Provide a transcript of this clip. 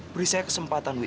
beri saya kesempatan wi